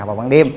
và bằng đêm